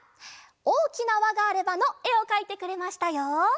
「おおきなわがあれば」のえをかいてくれましたよ。